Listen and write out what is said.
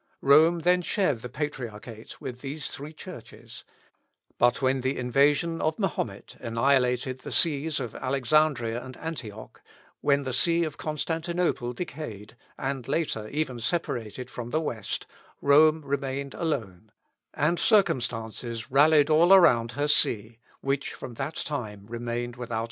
Rome then shared the patriarchate with these three churches; but when the invasion of Mahomet annihilated the sees of Alexandria and Antioch when the see of Constantinople decayed, and later, even separated from the west, Rome remained alone, and circumstances rallied all around her see, which from that time remained without a rival.